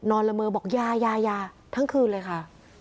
ละเมอบอกยายายาทั้งคืนเลยค่ะ